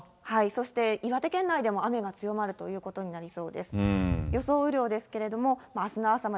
そして岩手県内でも、雨が強まるということになりそうです。